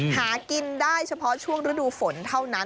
หากินได้เฉพาะช่วงฤดูฝนเท่านั้น